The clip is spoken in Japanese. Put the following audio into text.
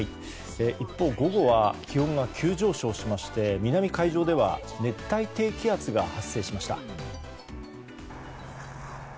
一方、午後は気温が急上昇しまして南海上では熱帯低気圧が発生しました。